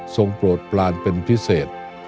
โปรดปลานเป็นพิเศษ